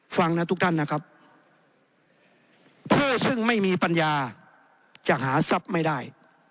ฟังนะทุกท่านนะครับผู้ซึ่งไม่มีปัญญาจะหาทรัพย์ไม่ได้